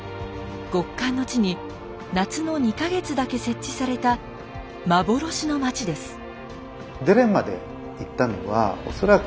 極寒の地に夏の２か月だけ設置された幻の町です。